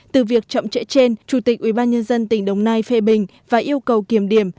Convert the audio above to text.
từ việc chậm trễ trên chủ tịch ủy ban nhân dân tỉnh đồng nai phê bình và yêu cầu kiểm điểm